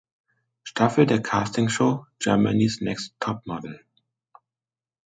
Staffel der Castingshow "Germany’s Next Topmodel".